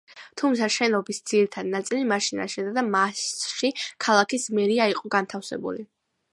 თუმცა, შენობის ძირითადი ნაწილი, მაშინ აშენდა და მასში ქალაქის მერია იყო განთავსებული.